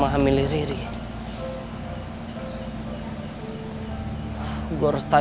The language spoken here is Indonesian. masa menunggu volts saya